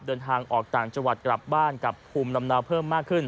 เดินทางออกต่างจังหวัดกลับบ้านกับภูมิลำเนาเพิ่มมากขึ้น